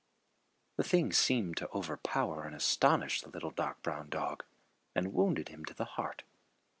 This thing seemed to overpower and astonish the little dark brown dog, and wounded him to the heart.